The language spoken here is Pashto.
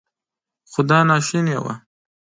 خو دا ناشونې وه.